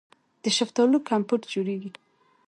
د شفتالو کمپوټ جوړیږي.